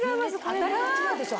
当たりが違うでしょ